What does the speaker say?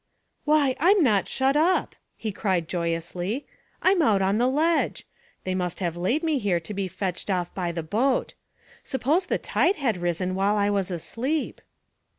"Why, I'm not shut up!" he cried joyously. "I'm out on the ledge. They must have laid me here to be fetched off by the boat. Suppose the tide had risen while I was asleep!"